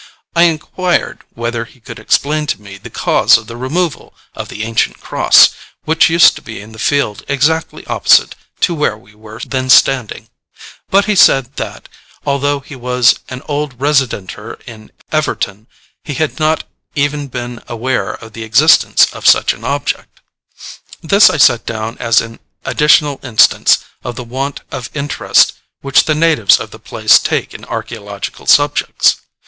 I inquired whether he could explain to me the cause of the removal of the ancient cross, which used to be in the field exactly opposite to where we were then standing; but he said that, although he was an old residenter in Everton, he had not even been aware of the existence of such an object. This I set down as an additional instance of the want of interest which the natives of the place take in archæological subjects.